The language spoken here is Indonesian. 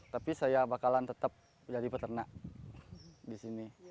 tapi saya bakalan tetap jadi peternak di sini